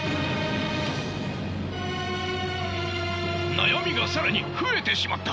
悩みが更に増えてしまった！